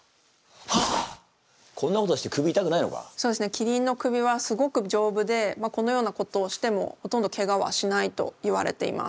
キリンの首はすごく丈夫でこのようなことをしてもほとんどけがはしないといわれています。